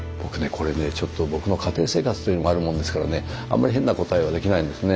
これねちょっと僕の家庭生活というのもあるもんですからねあんまり変な答えはできないんですね。